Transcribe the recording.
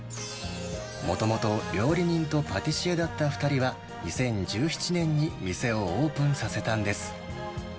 もともと料理人とパティシエだった２人は、２０１７年に店をオープンさせたんです。